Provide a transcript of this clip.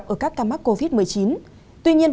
ở các ca mắc covid một mươi chín tuy nhiên